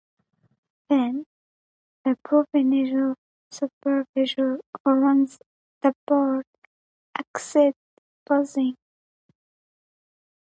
Then, the provincial supervisor - who runs the board - axed busing.